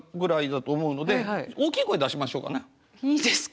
いいですか。